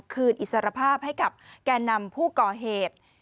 อิสรภาพให้กับแก่นำผู้ก่อเหตุ